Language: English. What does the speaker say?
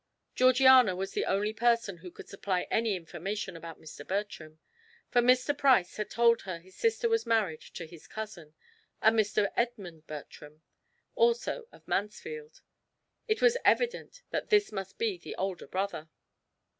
Georgiana was the only person who could supply any information about Mr. Bertram, for Mr. Price had told her his sister was married to his cousin, a Mr. Edmund Bertram, also of Mansfield. It was evident that this must be the older brother.